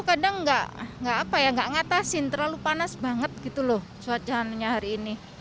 kadang enggak enggak apa ya enggak ngatasin terlalu panas banget gitu loh cuacanya hari ini